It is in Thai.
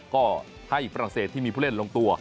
ก็ให้ฝรั่งเศสที่มีผู้เล่นลงตัว